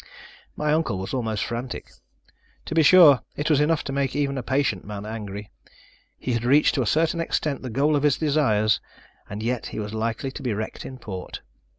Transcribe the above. My uncle was almost frantic: to be sure, it was enough to make even a patient man angry. He had reached to a certain extent the goal of his desires, and yet he was likely to be wrecked in port.